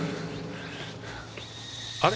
あれ。